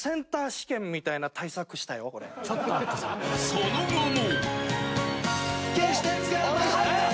［その後も］